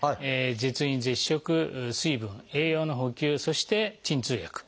絶飲・絶食水分・栄養の補給そして鎮痛薬。